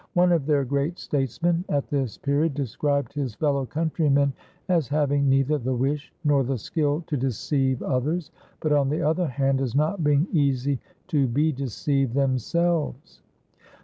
One of their great statesmen at this period described his fellow countrymen as having neither the wish nor the skill to deceive others, but on the other hand as not being easy to be deceived themselves.